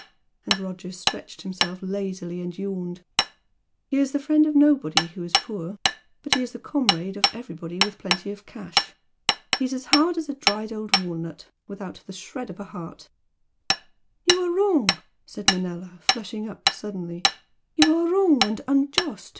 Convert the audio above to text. and Roger stretched himself lazily and yawned "He's the friend of nobody who is poor. But he's the comrade of everybody with plenty of cash. He's as hard as a dried old walnut, without the shred of a heart " "You are wrong!" said Manella, flushing up suddenly "You are wrong and unjust!